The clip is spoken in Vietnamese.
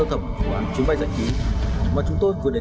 hãy chia sẻ với chúng tôi